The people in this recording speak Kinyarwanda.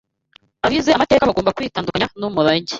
Abize amateka bagomba kwitandukanya n’umurage